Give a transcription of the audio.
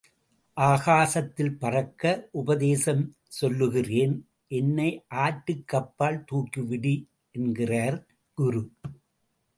ஆகாசத்தில் பறக்க உபதேசம் சொல்லுகிறேன் என்னை ஆற்றுக் கப்பால் தூக்கிவிடு என்கிறார் குரு.